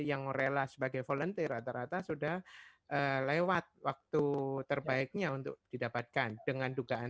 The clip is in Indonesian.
yang rela sebagai volunteer rata rata sudah lewat waktu terbaiknya untuk didapatkan dengan dugaan